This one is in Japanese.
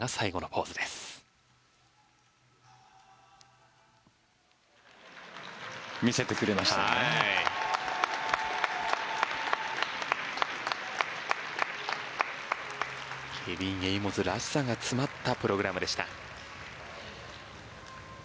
ケビン・エイモズらしさが詰まったプログラムでした。